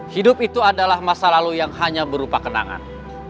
hidup itu adalah masa lalu yang hanya berupa kenangan